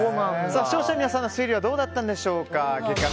視聴者の皆さんの推理はどうだったんでしょうか。